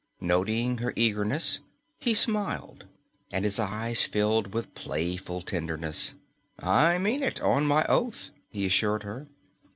Noting her eagerness, he smiled and his eyes filled with playful tenderness. "I mean it, on my oath," he assured her.